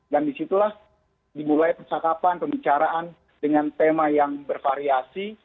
dan di situlah dimulai persakapan pembicaraan dengan tema yang bervariasi